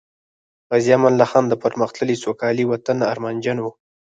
غازی امان الله خان د پرمختللي، سوکالۍ وطن ارمانجن وو